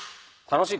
楽しい？